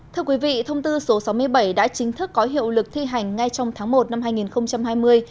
thưa quý vị thông tư số sáu mươi bảy đã chính thức có hiệu lực thi hành ngay trong tháng một năm hai nghìn hai mươi